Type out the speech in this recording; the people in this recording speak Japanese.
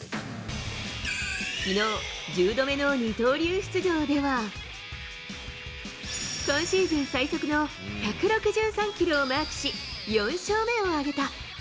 昨日、１０度目の二刀流出場では今シーズン最速の１６３キロをマークし、４勝目を挙げた。